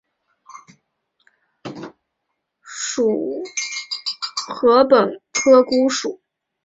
属禾本科菰属。